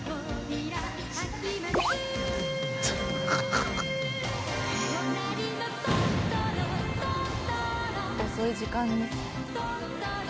藤田）遅い時間に。